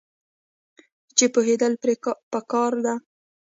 چې پوهیدل پرې پکار دي.